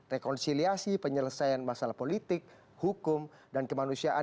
rekonsiliasi penyelesaian masalah politik hukum dan kemanusiaan